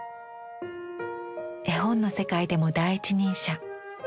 絵本の世界でも第一人者。